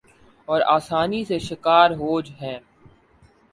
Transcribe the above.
اور آسانی سے شکار ہو ج ہیں